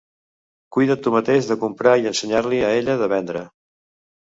Cuidat tu mateix de comprar i ensenyar-li a ella de vendre